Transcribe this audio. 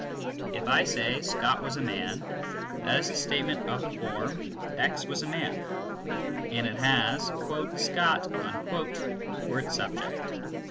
If I say "Scott was a man," that is a statement of the form "x was a man," and it has "Scott" for its subject.